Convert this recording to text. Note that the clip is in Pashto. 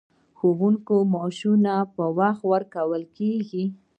د ښوونکو معاشونه پر وخت ورکول کیږي؟